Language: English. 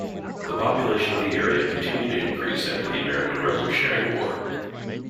The population of the area continued to increase after the American Revolutionary War.